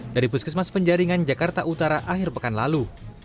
dari puskesmas penjaringan jakarta utara akhir pekan lalu